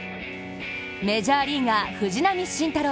メジャーリーガー、藤浪晋太郎